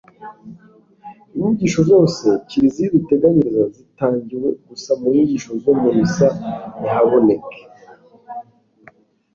inyigisho zose kiliziya iduteganyiriza zitangiwe gusa mu nyigisho zo mu misa ntihaboneke